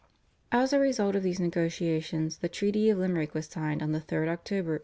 As a result of these negotiations the Treaty of Limerick was signed on the 3rd October 1691.